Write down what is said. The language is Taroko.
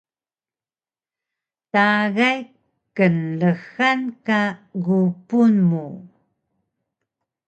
Tagay knrxan ka gupun mu